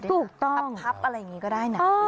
ถูกต้องอพับอะไรอย่างนี้ก็ได้นะ